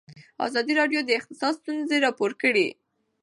ازادي راډیو د اقتصاد ستونزې راپور کړي.